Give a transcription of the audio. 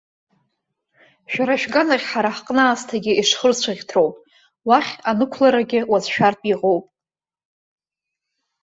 Шәара шәганахь ҳара ҳҟны аасҭагьы ишхырцәаӷьҭроуп, уахь анықәларагьы уацәшәартә иҟоуп.